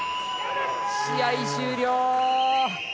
試合終了！